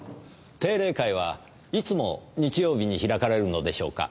定例会はいつも日曜日に開かれるのでしょうか？